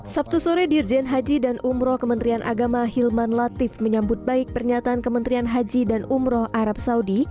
sabtu sore dirjen haji dan umroh kementerian agama hilman latif menyambut baik pernyataan kementerian haji dan umroh arab saudi